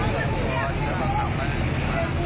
อบให้วงนี่ก็จะเข้ามา